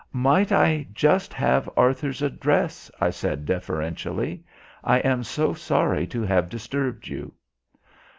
"Might I just have Arthur's address?" I said deferentially. "I am so sorry to have disturbed you."